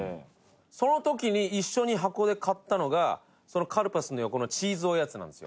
その時に一緒に箱で買ったのがそのカルパスの横のチーズおやつなんですよ。